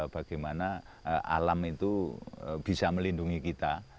bagaimana alam itu bisa melindungi kita